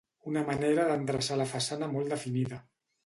Una manera d'endreçar la façana molt definida.